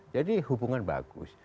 jadi hubungan bagus